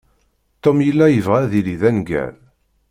Tom yella yebɣa ad yili d aneggar.